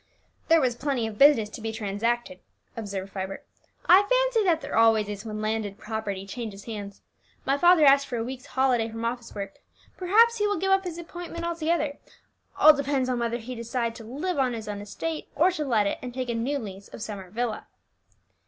"There was plenty of business to be transacted," observed Vibert; "I fancy that there always is when landed property changes hands. My father asked for a week's holiday from office work. Perhaps he will give up his appointment altogether; all depends on whether he decide to live on his own estate, or to let it and take a new lease of Summer Villa."